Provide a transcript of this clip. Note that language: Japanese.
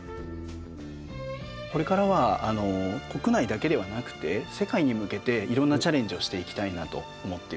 これからは国内だけではなくて世界に向けていろんなチャレンジをしていきたいなと思っています。